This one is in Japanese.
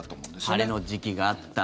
晴れの時期があった。